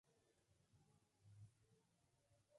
Trabajó para la resistencia noruega y luego en Bletchley Park.